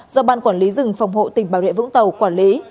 do ban quản lý dừng phòng hộ tỉnh bản huyện vũng tàu quản lý